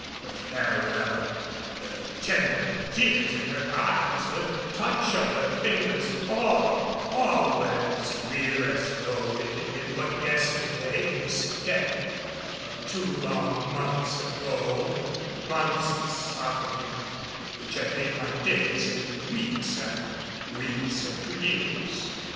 The farewell, the tender tears in her eyes, the touch of her fingers, all all were as real as though it had been but yesterday instead of two long months ago, months of suffering which had made days into weeks and weeks into years.